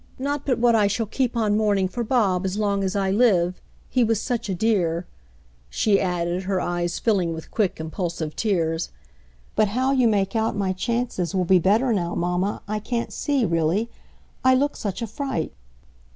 "Not but what I shall keep on mourning for Bob, as long as I live — he was such a dear," she added, her eyes filling with quick, impulsive tears. "But how you make out my chances will be better now, mamma, I can't see, really, — I look such a fright."